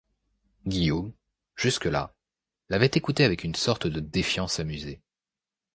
Guillaume, jusque-là, l'avait écouté avec une sorte de défiance amusée.